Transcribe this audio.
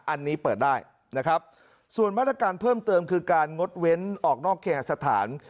อันนี้เปิดได้นะครับส่วนมาตรการเพิ่มเติมคือการงดเว้นออกนอกเคหสถาน